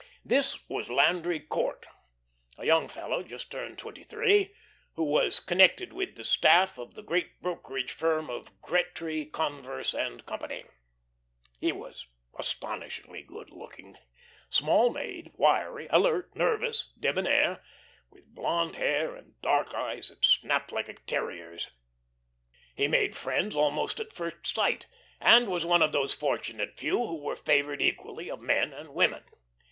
This was Landry Court, a young fellow just turned twenty three, who was "connected with" the staff of the great brokerage firm of Gretry, Converse and Co. He was astonishingly good looking, small made, wiry, alert, nervous, debonair, with blond hair and dark eyes that snapped like a terrier's. He made friends almost at first sight, and was one of those fortunate few who were favoured equally of men and women.